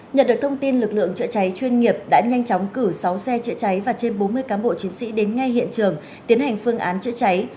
nhận được thông tin lực lượng chữa cháy chuyên nghiệp đã nhanh chóng cử sáu xe chữa cháy và trên bốn mươi cán bộ chiến sĩ đến ngay hiện trường tiến hành phương án chữa cháy